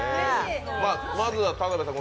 まずは田辺さん